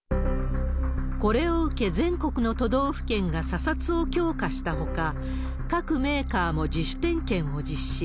これを受け、全国の都道府県が査察を強化したほか、各メーカーも自主点検を実施。